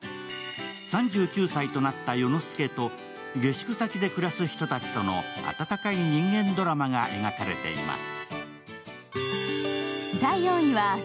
３９歳となった世之介と、下宿先で暮らす人たちとの、温かい人間ドラマが描かれています。